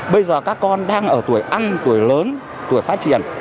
bây giờ các con đang ở tuổi ăn tuổi lớn tuổi phát triển